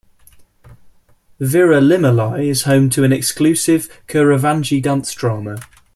Viralimalai is home to an exclusive kuravanji dance-drama.